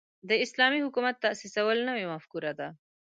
د اسلامي حکومت تاسیسول نوې مفکوره ده.